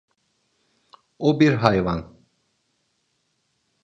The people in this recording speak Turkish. O bir hayvan.